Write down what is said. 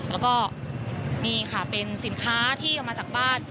แล้วก็นี่ค่ะเป็นสินค้าที่เอามาจากบ้าน